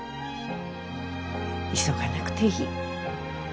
急がなくていい。